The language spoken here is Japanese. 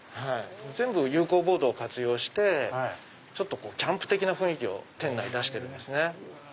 全部有孔ボードを活用してキャンプ的な雰囲気を店内に出してるんですね。